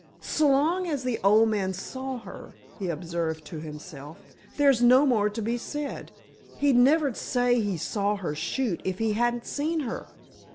"S'long as the old man saw her," he observed to himself, "there's no more to be said. He never'd say he saw her shoot, if he hadn't seen her.